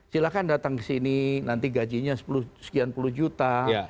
silahkan datang ke sini nanti gajinya sekian puluh juta